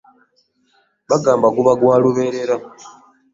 Bagamba guba gwa luberera.